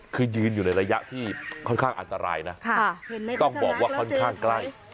คือยืนอยู่ในระยะที่ค่อนข้างอันตรายนะต้องบอกว่าค่อนข้างใกล้